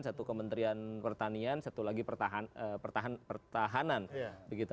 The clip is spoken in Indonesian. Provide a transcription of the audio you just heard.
satu kementerian pertanian satu lagi pertahanan begitu